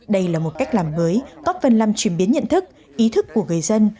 đây là một cách làm mới tóp vân làm chuyển biến nhận thức ý thức của người dân